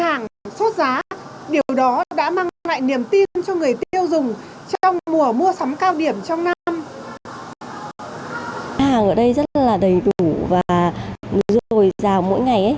hàng sốt giá điều đó đã mang lại niềm tin cho người tiêu dùng trong mùa mua sắm cao điểm trong năm